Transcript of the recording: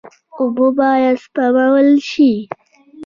اوبه باید سپمول شي.